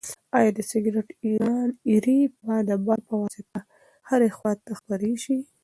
ایا د سګرټ ایرې به د باد په واسطه هرې خواته خپرې شي؟